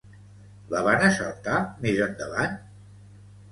La van assaltar més endavant?